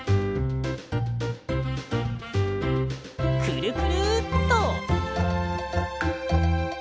くるくるっと！